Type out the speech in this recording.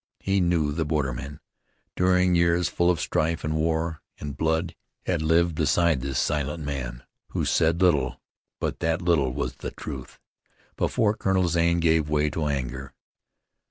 He knew the borderman. During years full of strife, and war, and blood had he lived beside this silent man who said little, but that little was the truth. Therefore Colonel Zane gave way to anger.